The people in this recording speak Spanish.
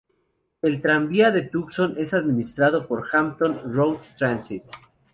El tranvía de Tucson es administrado por Hampton Roads Transit.